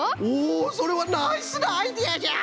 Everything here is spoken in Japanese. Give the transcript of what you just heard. おそれはナイスなアイデアじゃ！